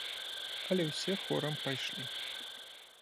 Але ўсе хорам пайшлі.